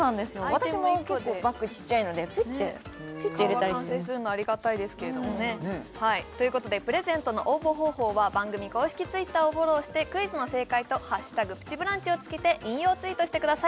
私も結構バッグちっちゃいのでピッと入れたりして１個で顔が完成するのはありがたいですけれどもねプレゼントの応募方法は番組公式Ｔｗｉｔｔｅｒをフォローしてクイズの正解と「＃プチブランチ」をつけて引用ツイートしてください